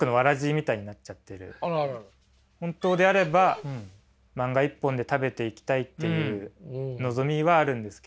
本当であれば漫画一本で食べていきたいっていう望みはあるんですけど。